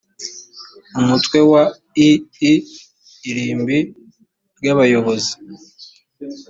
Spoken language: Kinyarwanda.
umutwe wa ii irimbi ry’abayobozi